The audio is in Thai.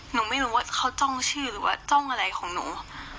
หนูไม่รู้ว่าเขาจ้องชื่อหรือว่าจ้องอะไรของหนู